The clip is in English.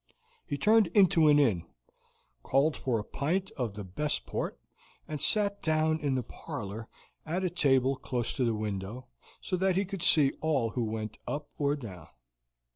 He turned into an inn, called for a pint of the best port, and sat down in the parlor at a table close to the window, so that he could see all who went up or down.